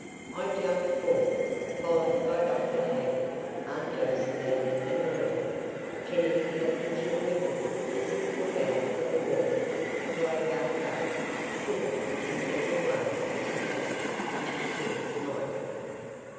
I jumped forward, followed by Dr. Hayward, Aunt Josephine, and Marie. Kennedy had a peculiar look as he pulled out from the wall a blow gun dart similar in every way to that which had killed Michael.